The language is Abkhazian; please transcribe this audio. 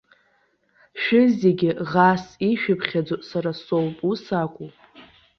Шәызегьы ӷас ишәыԥхьаӡо сара соуп, ус акәу?